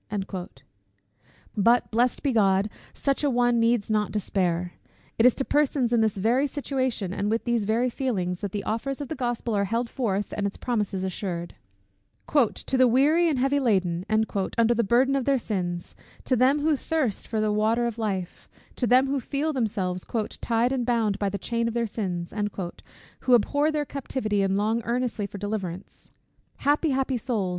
But, blessed be God, such an one needs not despair it is to persons in this very situation, and with these very feelings, that the offers of the Gospel are held forth, and its promises assured; "to the weary and heavy laden" under the burden of their sins; to them who thirst for the water of life; to them who feel themselves "tied and bound by the chain of their sins;" who abhor their captivity, and long earnestly for deliverance. Happy, happy souls!